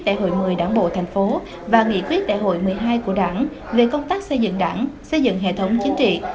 đại hội một mươi đảng bộ thành phố và nghị quyết đại hội một mươi hai của đảng về công tác xây dựng đảng xây dựng hệ thống chính trị